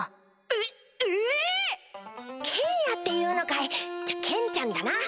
えっえぇ⁉ケンヤっていうのかいじゃケンちゃんだな！